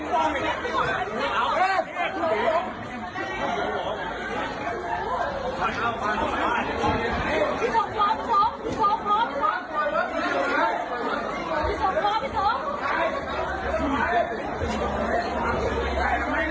เพชรบูรณ์หลังจากบริษัทรักิจปฏิเสธัตริย์ทุกทางการผู้หญิงค่ะ